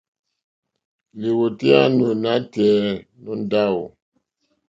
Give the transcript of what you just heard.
Lìwòtéyá nù nôténá ndáwò.